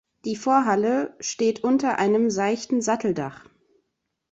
Die Vorhalle steht unter einem seichten Satteldach.